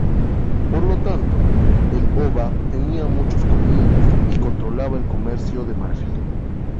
Por lo tanto, el "Oba" tenía muchos colmillos y controlaba el comercio de marfil.